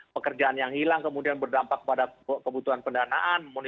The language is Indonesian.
pekerjaan yang hilang kemudian berdampak pada kebutuhan pendanaan